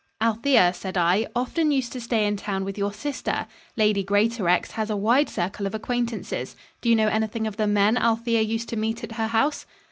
"Althea," said I, "often used to stay in town with your sister. Lady Greatorex has a wide circle of acquaintances. Do you know anything of the men Althea used to meet at her house?"